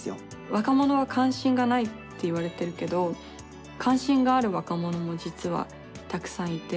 若者は関心がないって言われてるけど、関心がある若者も実はたくさんいて。